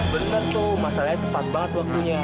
bener tuh masalahnya tepat banget waktunya